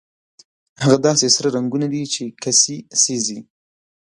هغه داسې سره رنګونه دي چې کسي سېزي.